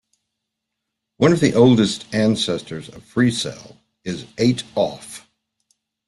One of the oldest ancestors of FreeCell is Eight Off.